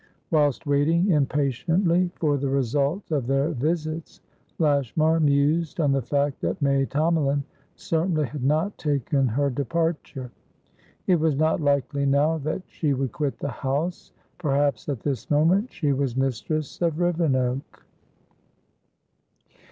Whilst waiting impatiently for the result of their visits, Lashmar mused on the fact that May Tomalin certainly had not taken her departure; it was not likely now that she would quit the house; perhaps at this moment she was mistress of Rivenoak.